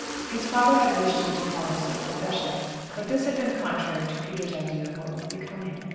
His father had wished him to follow some profession, but this had been contrary to Peter's idea of what was becoming.